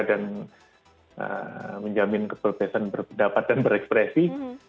dan menjamin kebebasan berpendapat dan berekspresi